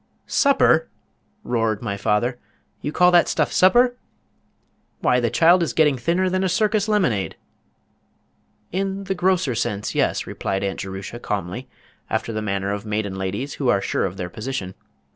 "Supper?" roared my father. "You call that stuff supper? Why, the child is getting thinner than a circus lemonade " "In the grosser sense, yes," replied Aunt Jerusha, calmly, after the manner of maiden ladies who are sure of their position.